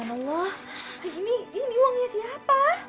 ini uangnya siapa